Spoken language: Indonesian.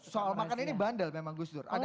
soal makan ini bandel memang gus dur